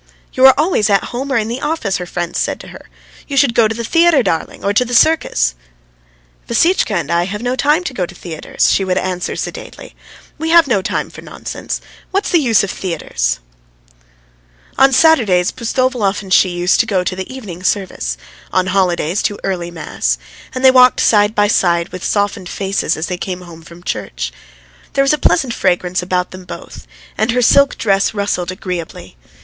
"You are always at home or in the office," her friends said to her. "You should go to the theatre, darling, or to the circus." "Vassitchka and I have no time to go to theatres," she would answer sedately. "We have no time for nonsense. What's the use of these theatres?" On Saturdays Pustovalov and she used to go to the evening service; on holidays to early mass, and they walked side by side with softened faces as they came home from church. There was a pleasant fragrance about them both, and her silk dress rustled agreeably.